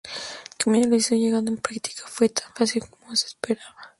El camino idealista llevado a la práctica no fue tan fácil, como se esperaba.